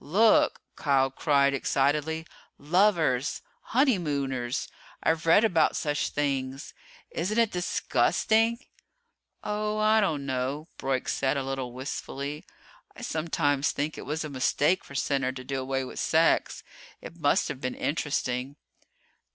"Look!" Kial cried excitedly. "Lovers! Honeymooners! I've read about such things! Isn't it disgusting?" "Oh, I don't know," Broyk said, a little wistfully. "I sometimes think it was a mistake for Center to do away with sex. It must have been interesting."